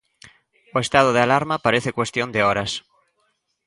O estado de alarma parece cuestión de horas.